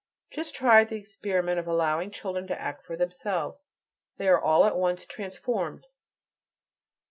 Just try the experiment of allowing children to act for themselves; they are at once "transformed."